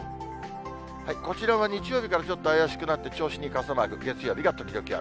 こちらは日曜日からちょっと怪しくなって、銚子に傘マーク、月曜日が時々雨。